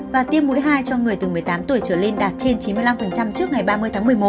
và tiêm mũi hai cho người từ một mươi tám tuổi trở lên đạt trên chín mươi năm trước ngày ba mươi tháng một mươi một